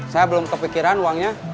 saya belum kepikiran uangnya